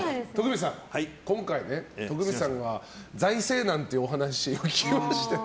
今回、徳光さんが財政難っていうお話を聞きまして